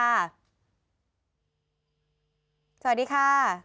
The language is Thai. สวัสดีค่ะ